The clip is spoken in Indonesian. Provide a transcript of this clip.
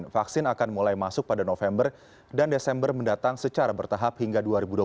vaksin akan mulai masuk pada november dan desember mendatang secara bertahap hingga dua ribu dua puluh satu